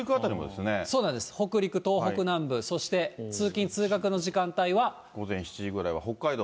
そうなんです、北陸、東北南部、午前７時ぐらいは北海道。